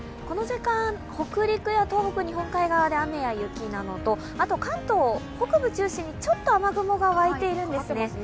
この時間、北陸や東北、日本海側で雨や雪なのとあと関東、北部を中心にちょっと雨雲が湧いているんですね。